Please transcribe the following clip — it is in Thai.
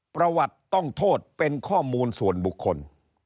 ประวัติต้องโทษเป็นข้อมูลส่วนบุคคล